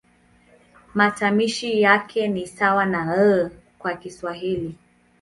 Matamshi yake ni sawa na "L" kwa Kiswahili.